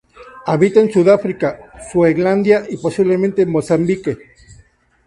Habita en Sudáfrica, Suazilandia y posiblemente Mozambique.